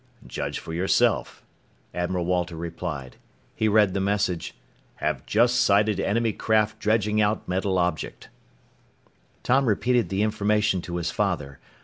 "Judge for yourself," Admiral Walter replied. He read the message: HAVE JUST SIGHTED ENEMY CRAFT DREDGING OUT METAL OBJECT Tom repeated the information to his father.